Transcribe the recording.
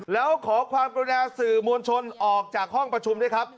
แล้วขอความกรุณาสื่อมวลชนออกจากห้องประชุมด้วยครับ